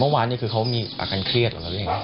เมื่อวานนี้คือเขามีอาการเครียดของเขาเอง